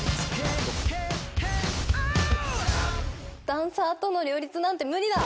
ダンサーとの両立なんて無理だ！